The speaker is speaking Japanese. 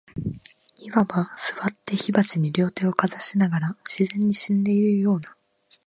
謂わば、坐って火鉢に両手をかざしながら、自然に死んでいるような、